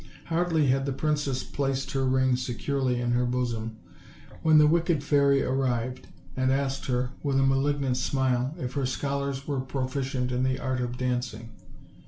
Hardly had the princess placed her ring securely in her bosom when the wicked fairy arrived, and asked her, with a malignant smile, if her scholars were proficient in the art of dancing.